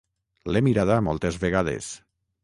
L'he mirada moltes vegades.